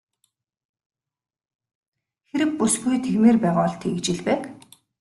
Хэрэв бүсгүй тэгмээр байгаа бол тэгж л байг.